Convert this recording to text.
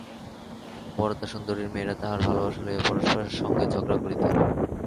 বরদাসুন্দরীর মেয়েরা তাহার ভালোবাসা লইয়া পরস্পরের সঙ্গে ঝগড়া করিত।